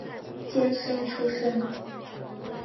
监生出身。